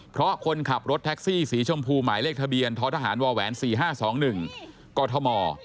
เพราะคนขับรถแท็กซี่สีชมพูหมายเลขทะเบียนท้อทหารวแหวน๔๕๒๑กธม